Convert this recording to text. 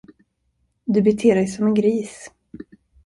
Du beter dig som en gris.